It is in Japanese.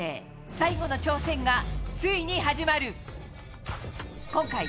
最後の挑戦がついに始まる。